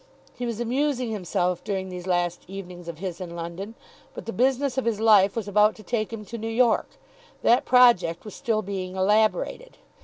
He was amusing himself during these last evenings of his in London; but the business of his life was about to take him to New York. That project was still being elaborated.